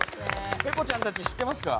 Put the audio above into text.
ぺこちゃんたち知ってますか？